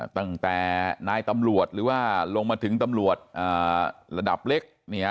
ตั้งแต่นายตำรวจหรือว่าลงมาถึงตำรวจระดับเล็ก